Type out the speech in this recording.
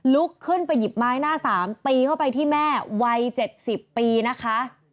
ลุกขึ้นไปหยิบไม้หน้าสามตีเข้าไปที่แม่วัย๗๐ปีนะคะ